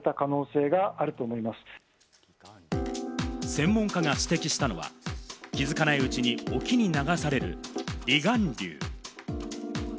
専門家が指摘したのは、気づかないうちに沖へ流される離岸流。